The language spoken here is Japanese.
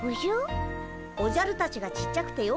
おじゃるたちがちっちゃくてよかったよ。